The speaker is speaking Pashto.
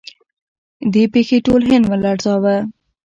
دې پیښې ټول هند لړزاوه.